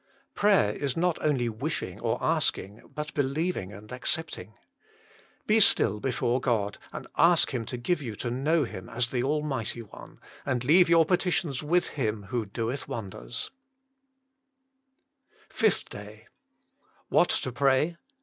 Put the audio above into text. Prayer is not only wishing, or asking, but believing and accepting. Be still before God and ask Him to give you to know Him as the Almighty One, and leave your petitions with Him who doeth wonders. SPECIAL PETITIONS THE MINISTRY OF INTERCESSION FIFTH DAY WHAT TO PRAY.